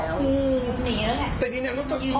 คือที่มาไทยเนี่ยคือปกติแล้วก็ไม่มีปัญหา